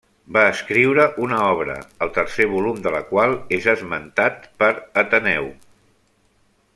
Va escriure una obra, el tercer volum de la qual és esmentat per Ateneu.